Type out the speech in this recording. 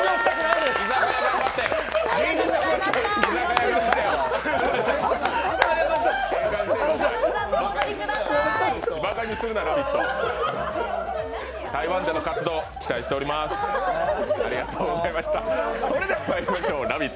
それではまいりましょう、「ラヴィット！」